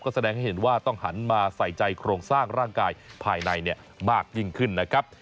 แสดงให้เห็นว่าต้องหันมาใส่ใจโครงสร้างร่างกายภายในมากยิ่งขึ้นนะครับ